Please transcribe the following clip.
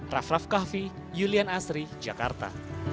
raff raff kahvi julian asri jakarta